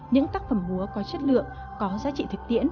những tác phẩm múa có chất lượng có giá trị thực tiễn